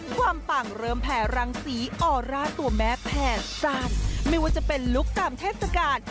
ปังเริ่มแผ่รังสีออร่าตัวแม่แผ่สั้นไม่ว่าจะเป็นลุคตามเทศกาล